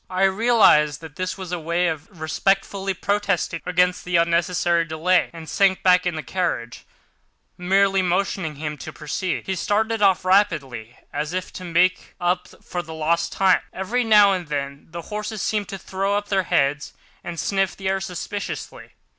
I realised that this was his way of respectfully protesting against the unnecessary delay, and sank back in the carriage, merely motioning him to proceed. He started off rapidly, as if to make up for lost time. Every now and then the horses seemed to throw up their heads and sniffed the air suspiciously.